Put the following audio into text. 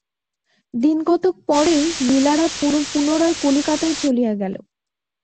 দিনকতক পরেই লীলারা পুনরায় কলিকাতায় চলিয়া গেল।